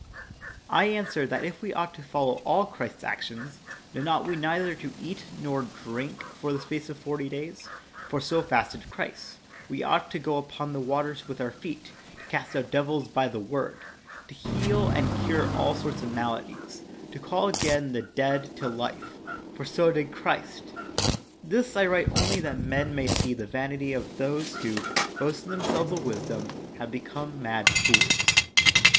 I answer that if we ought to follow all Christ's actions then ought we neither to eat nor drink for the space of forty days, for so fasted Christ ; we ought to go upon the waters with our feet ; to cast out devils by our word ; to heal and cure all sorts of maladies ; to call again the dead to life ; for so did Christ. This I write only that men may see the vanity of those who, boasting them selves of wisdom, have become mad fools.